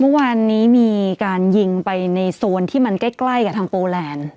เมื่อวานนี้มีการยิงไปในโซนที่มันใกล้กับทางโปแลนด์